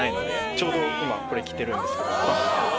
ちょうど今これ着てるんですけど。